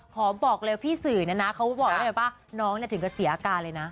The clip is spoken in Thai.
ขอบอกเร็วพี่สื่อนะนะเขาบอกได้ไหมป่ะน้องเนี่ยถึงก็เสียอาการเลยนะ